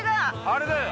あれだよ